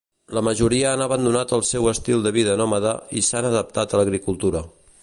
La majoria han abandonat el seu estil de vida nòmada i s'han adaptat a l'agricultura.